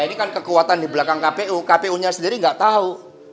ini kan kekuatan di belakang kpu kpu nya sendiri nggak tahu